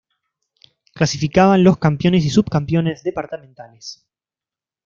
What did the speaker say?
Clasificaban los campeones y subcampeones departamentales.